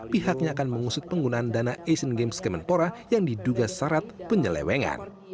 penggunaan dana asian games kemenpora yang diduga syarat penyelewengan